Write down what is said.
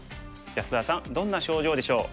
安田さんどんな症状でしょう？